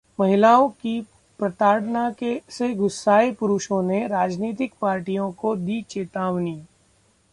महिलाओं की प्रताड़ना से गुस्साए पुरुषों ने राजनीतिक पार्टियों को दी चेतावनी